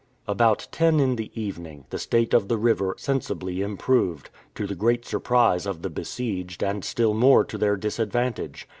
About ten in the evening, the state of the river sensibly improved, to the great surprise of the besieged and still more to their disadvantage.